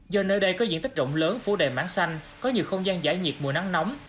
do nơi đây có diện tích rộng lớn phố đầy mảng xanh có nhiều không gian giải nhiệt mùa nắng nóng